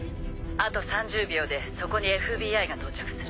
あと３０秒でそこにＦＢＩが到着する。